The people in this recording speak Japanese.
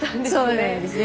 そうなんですね